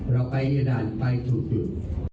เราไปเยอะนานไปถูกอยู่